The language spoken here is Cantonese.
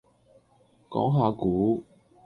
講下股